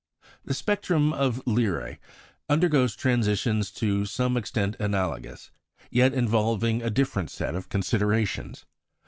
The spectrum of Beta Lyræ undergoes transitions to some extent analogous, yet involving a different set of considerations.